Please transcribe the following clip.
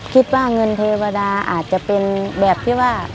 คิดว่าเงินเทวดาอาจจะเป็นแบบที่ว่า